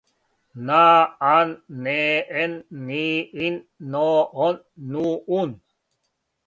на ан не ен ни ин но он ну ун